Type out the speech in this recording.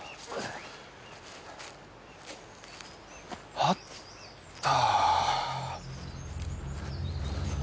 あった。